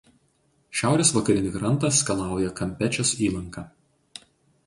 Šiaurės vakarinį krantą skalauja Kampečės įlanka.